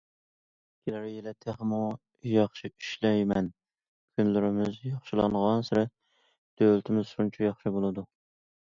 كېلەر يىلى تېخىمۇ ياخشى ئىشلەيمەن، كۈنلىرىمىز ياخشىلانغانسېرى، دۆلىتىمىز شۇنچە ياخشى بولىدۇ.